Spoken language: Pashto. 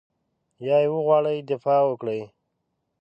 یا یې وغواړي دفاع وکړي.